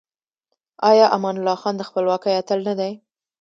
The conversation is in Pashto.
آیا امان الله خان د خپلواکۍ اتل نه دی؟